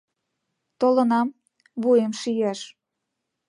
— Толынам... вуйым шияш.